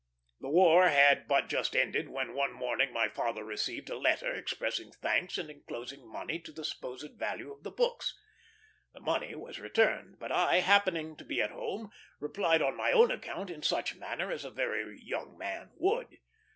The war had but just ended, when one morning my father received a letter expressing thanks, and enclosing money to the supposed value of the books. The money was returned; but I, happening to be at home, replied on my own account in such manner as a very young man would.